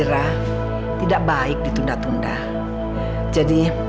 syabas aku bisa kontak artem nanti